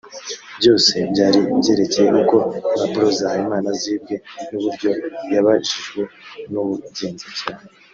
byose byari byerekeye uko impapuro za Habimana zibwe n’uburyo yabajijwe n’ubugenzacyaha